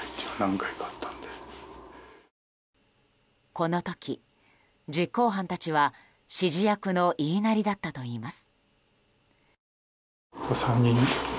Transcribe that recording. この時、実行犯たちは指示役の言いなりだったといいます。